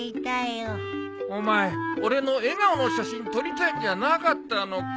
お前俺の笑顔の写真撮りたいんじゃなかったのか？